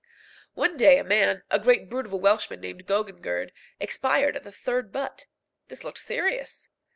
One day a man, a great brute of a Welshman named Gogangerdd, expired at the third butt. This looked serious.